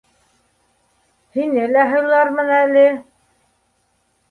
Һине лә һыйлармын әле.